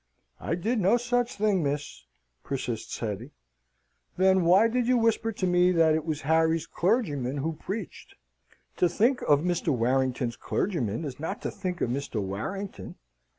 "I did no such thing, miss," persists Hetty. "Then why did you whisper to me it was Harry's clergyman who preached?" "To think of Mr. Warrington's clergyman is not to think of Mr. Warrington.